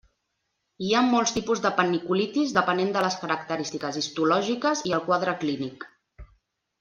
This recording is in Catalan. Hi ha molts tipus de panniculitis depenent de les característiques histològiques i el quadre clínic.